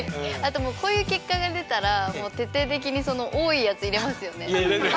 あともうこういう結果が出たら徹底的にその多いやつ入れますよね。